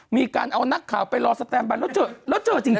มีการเอานักข่าวไปรอสแตมบันแล้วเจอจริง